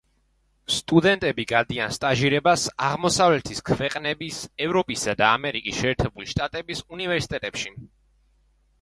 სტუდენტები გადიან სტაჟირებას აღმოსავლეთის ქვეყნების, ევროპისა და ამერიკის შეერთებული შტატების უნივერსიტეტებში.